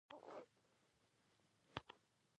زه ډېری خبرې نه شم کولی